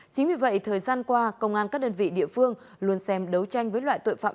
chính vì vậy thời gian qua công an các đơn vị địa phương luôn xem đấu tranh với loại tội phạm